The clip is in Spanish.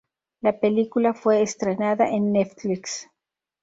La película fue estrenada en Netflix.